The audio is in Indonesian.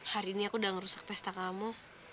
hari ini aku udah ngerusak pesta kamu